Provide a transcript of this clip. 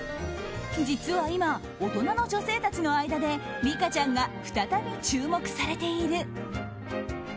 実は今、大人の女性たちの間でリカちゃんが再び注目されている。